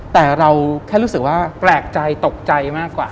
แต่เราแค่รู้สึกว่าแปลกใจตกใจมากกว่า